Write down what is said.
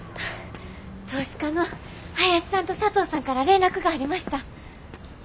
投資家の林さんと佐藤さんから連絡がありました。